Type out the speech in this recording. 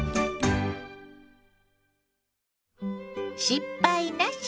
「失敗なし！